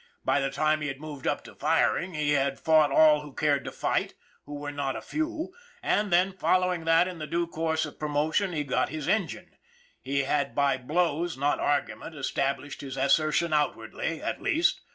By the time he had moved up to firing he had fought all who cared to fight, who were not a few; and when, following that in the due course of promotion, he got his engine, he had by blows, not argument, established his assertion outwardly at least.